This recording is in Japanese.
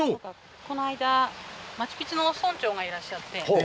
この間、マチュピチュの村長がいらっしゃって。